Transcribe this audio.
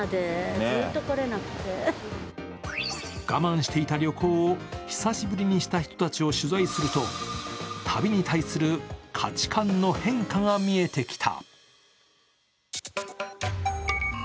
我慢していた旅行を久しぶりにした人たちを取材すると旅に対する価値観の変化が見えてきた。